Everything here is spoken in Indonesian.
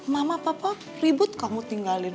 mama papa ribut kamu tinggalin